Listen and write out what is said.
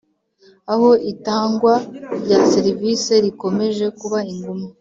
Aho itangwa rya serivisi rikomeje kuba ingume